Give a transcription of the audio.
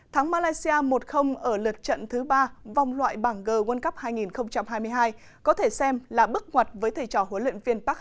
tháng malaysia một ở lượt trận thứ ba vòng loại bảng g world cup hai nghìn hai mươi hai có thể xem là bức ngoặt với thầy trò huấn luyện viên park hang